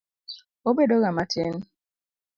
Obedoga matin.